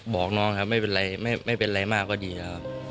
บอกน้องครับไม่เป็นไรมากก็ดีครับ